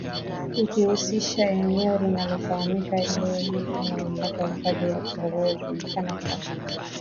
ikihusisha eneo linalofahamika leo hii kama Mamlaka ya hifadhi ya Ngorongoro ikijulikana kwa pamoja